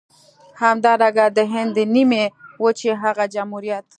همدارنګه د هند د نيمې وچې هغه جمهوريت.